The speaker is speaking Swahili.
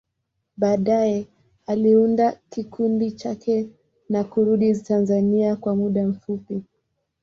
Baadaye, aliunda kikundi chake na kurudi Tanzania kwa muda mfupi.